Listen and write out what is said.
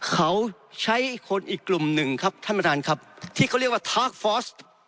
เขาใช้คนอีกกลุ่มหนึ่งครับท่านประธานครับที่เขาเรียกว่าทาร์กฟอส